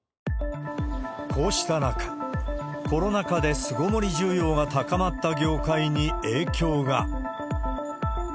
こうした中、コロナ禍で巣ごもり需要が高まった業界に影響が。